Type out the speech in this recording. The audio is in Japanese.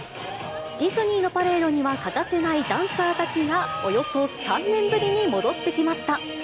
ディズニーのパレードには欠かせないダンサーたちが、およそ３年ぶりに戻ってきました。